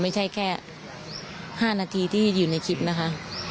ไม่ใช่แค่๕นาทีที่อยู่ในคลิปนะคะ